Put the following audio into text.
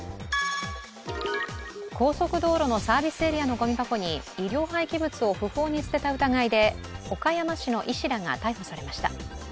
高速道路のサービスエリアのゴミ箱に医療廃棄物を不法に捨てた疑いで岡山市の医師らが逮捕されました。